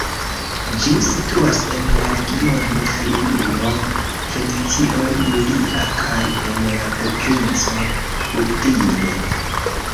Ĝi situas en la regiono Friulo-Venecio Julia kaj en la provinco Udine.